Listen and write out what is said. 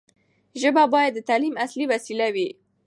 ژبه باید د تعلیم اصلي وسیله وي.